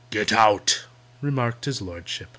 "Get out!" remarked his Lordship.